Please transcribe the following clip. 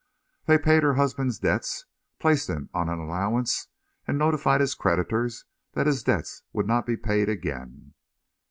They paid her husband's debts, placed him on an allowance, and notified his creditors that his debts would not be paid again."